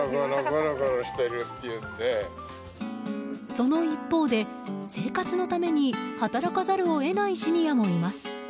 その一方で、生活のために働かざるを得ないシニアもいます。